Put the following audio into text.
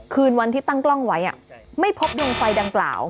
คืนวันที่ตั้งกล้องไว้ไม่พบดวงไฟดังกล่าว